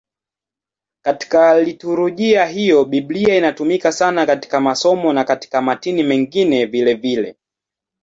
Katika liturujia hiyo Biblia inatumika sana katika masomo na katika matini mengine vilevile.